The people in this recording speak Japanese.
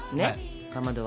かまどは。